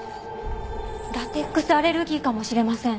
ラテックスアレルギーかもしれません。